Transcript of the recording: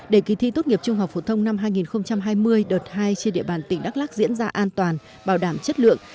để kỳ thi tốt nghiệp trung học phổ thông năm hai nghìn hai mươi đợt hai trên địa bàn tỉnh đắk lắc diễn ra an toàn bảo đảm chất lượng